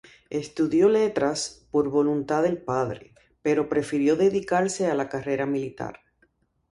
Estudió Letras, por voluntad del padre, pero prefirió dedicarse a la carrera militar.